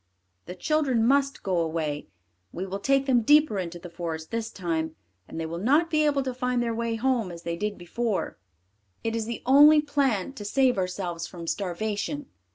The children must go away; we will take them deeper into the forest this time, and they will not be able to find their way home as they did before; it is the only plan to save ourselves from starvation."